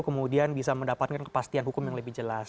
kemudian bisa mendapatkan kepastian hukum yang lebih jelas